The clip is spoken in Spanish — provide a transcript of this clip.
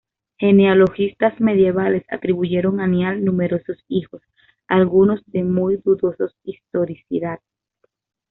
Genealogistas medievales atribuyeron a Niall numerosos hijos, algunos de muy dudosos historicidad.